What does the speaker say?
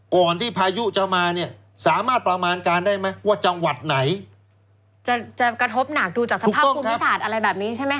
ก่อนที่พายุจะมาเนี่ยสามารถประมาณการได้ไหมว่าจังหวัดไหนจะจะกระทบหนักดูจากสภาพภูมิศาสตร์อะไรแบบนี้ใช่ไหมค